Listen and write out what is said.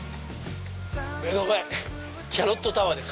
目の前キャロットタワーです。